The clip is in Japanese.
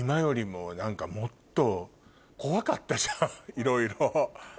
いろいろ。